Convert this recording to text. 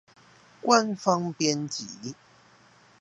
官方編輯